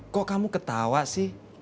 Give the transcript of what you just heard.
kok kamu ketawa sih